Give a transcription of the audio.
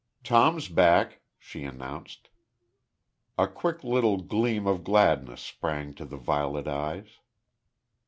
"Tom's back," she announced. A quick little gleam of gladness sprang to the violet eyes.